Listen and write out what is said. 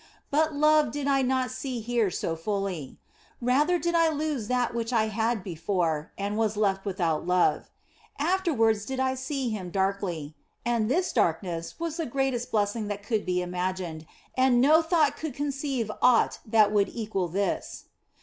But love did I not see here so fully ; rather did I lose that which I had before and was left without love. Afterwards I did see Him darkly, and this darkness was the greatest blessing that could be imagined, and no thought could conceive aught that would equal this.